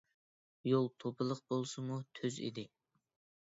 يول توپىلىق بولسىمۇ تۈز ئىدى.